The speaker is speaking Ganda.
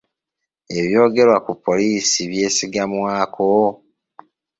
Ebyogerebwa ku poliisi byesigamwako?